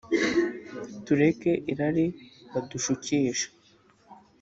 tureke irari badushukisha